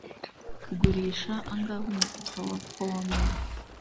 Ugurisha angahe umufuka wa pome?